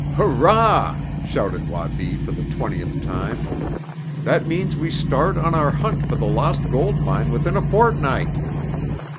"Hurrah!" shouted Wabi for the twentieth time. "That means we start on our hunt for the lost gold mine within a fortnight!"